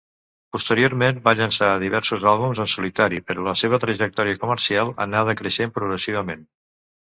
Posteriorment va llançar diversos àlbums en solitari però la seva trajectòria comercial anà decreixent progressivament.